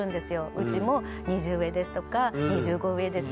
「うちも２０上です」とか「２５上です」